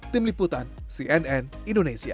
tim liputan cnn indonesia